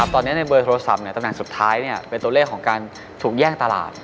ตอนนี้ในเบอร์โทรศัพท์ตำแหน่งสุดท้ายเป็นตัวเลขของการถูกแย่งตลาด